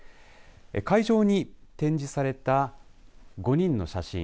会場に展示された５人の写真。